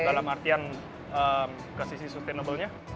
dalam artian ke sisi sustainablenya